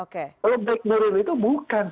kalau back and roll itu bukan